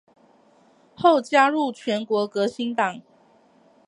后加入全国革新党。